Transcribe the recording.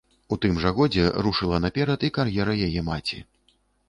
У тым жа годзе рушыла наперад і кар'ера яе маці.